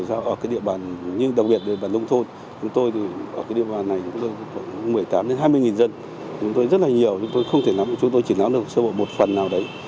cái địa bàn như đặc biệt là địa bàn đông thôn chúng tôi ở cái địa bàn này có một mươi tám hai mươi dân chúng tôi rất là nhiều chúng tôi không thể nắm chúng tôi chỉ nắm được sơ bộ một phần nào đấy